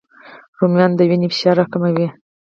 رومیان د وینې فشار راکموي